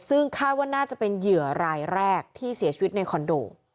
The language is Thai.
ซึ่งคาดว่าน่าจะเป็นเหยื่อรายแรกที่เสียชีวิตในคอนโด